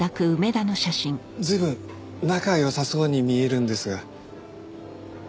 随分仲良さそうに見えるんですが。